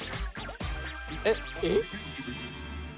えっ！えっ？